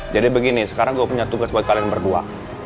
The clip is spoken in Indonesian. jadi begini sekarang gue punya tugas buat kalian berdua